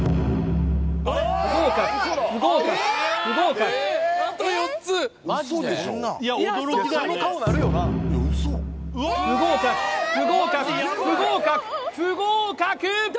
不合格不合格不合格不合格不合格不合格不合格！